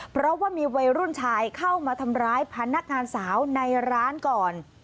เพราะว่ามีวัยรุ่นชายเข้ามาทำร้ายพนักงานสาวในร้านก่อน